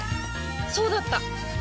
そうだった！